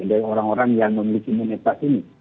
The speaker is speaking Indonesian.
dari orang orang yang memiliki imunitas ini